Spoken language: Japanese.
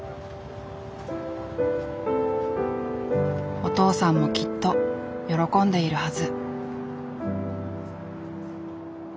お父さんもきっと喜んでいるはず。